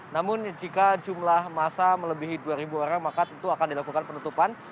namun jika jumlah masa melebihi dua orang maka tentu akan dilakukan penutupan